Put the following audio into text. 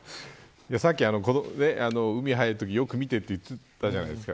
さっき海に入るとき、よく見てと言ったじゃないですか。